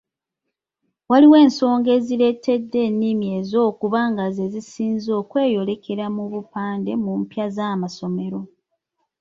Waliwo ensonga ezireetedde ennimi ezo okuba nga ze zisinze okweyolekera ku bupande mu mpya z'amasomero.